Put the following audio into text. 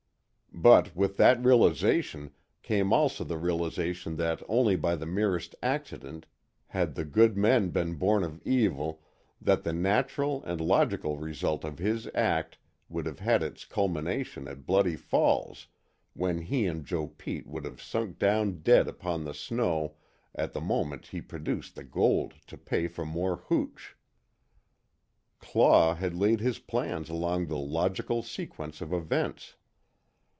But, with that realization, came also the realization that only by the merest accident, had the good been born of evil, that the natural and logical result of his act would have had its culmination at Bloody Falls when he and Joe Pete would have sunk down dead upon the snow at the moment he produced the gold to pay for more hooch. Claw had laid his plans along the logical sequence of events.